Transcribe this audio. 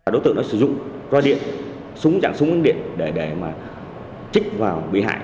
đối tượng đã sử dụng rõ điện súng chẳng súng ánh điện để mà trích vào bị hại